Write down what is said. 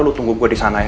lu tunggu gua disana ya